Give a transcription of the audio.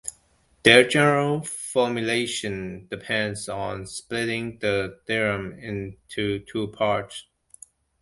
Their general formulation depends on splitting the theorem into two parts.